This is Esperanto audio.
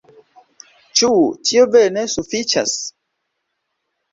Ĉu tio vere ne sufiĉas?